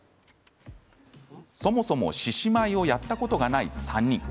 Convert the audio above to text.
そもそも獅子舞をやったことがない３人。